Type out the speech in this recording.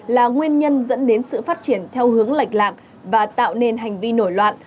là nguyên nhân dẫn đến sự phát triển theo hướng lệch lạc và tạo nên hành vi nổi loạn